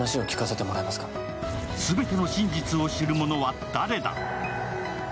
全ての真実を知るものは誰だ？